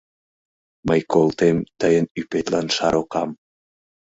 Мый колтем тыйын ӱпетлан шар окам.